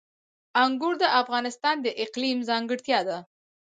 انګور د افغانستان د اقلیم ځانګړتیا ده.